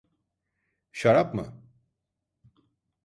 Şarap mı?